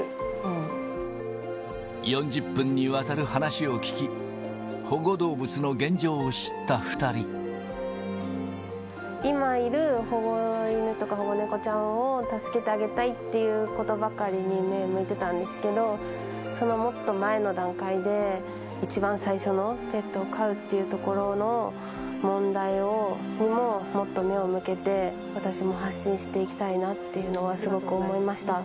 ４０分にわたる話を聞き、今いる保護犬とか、保護猫ちゃんを助けてあげたいっていうことばかりに目向いてたんですけど、そのもっと前の段階で、一番最初のペットを飼うというところの問題にももっと目を向けて、私も発信していきたいなというのは、すごく思いました。